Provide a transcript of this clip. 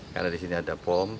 karena di sini ada pom dan pom au